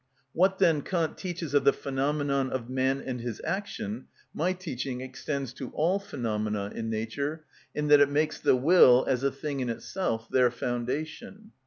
What, then, Kant teaches of the phenomenon of man and his action my teaching extends to all phenomena in nature, in that it makes the will as a thing in itself their foundation.